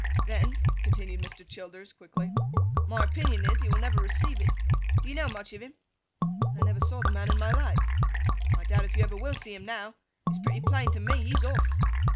'Then,' continued Mr. Childers, quickly, 'my opinion is, he will never receive it. Do you know much of him?' 'I never saw the man in my life.' 'I doubt if you ever will see him now. It's pretty plain to me, he's off.